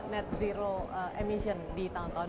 net zero emission di tahun tahun